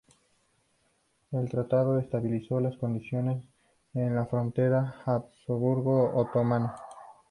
El tratado estabilizó las condiciones en la frontera Habsburgo-Otomana.